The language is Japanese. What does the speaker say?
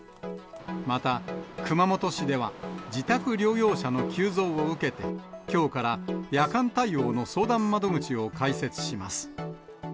また熊本市では、自宅療養者の急増を受けて、きょうから夜間対応の相談窓口を開設します。